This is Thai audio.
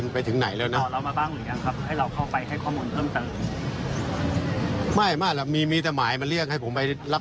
อืมต้องให้ทนายแล้วต้องให้ทนายแล้วครับผมก็ไม่รู้ว่าคดีคดีมันไปถึงไหนแล้วนะ